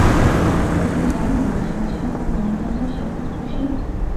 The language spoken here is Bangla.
তোমরা জানো, মাঝে মাঝে আমার মনে হয় না, সে খুব খুশি।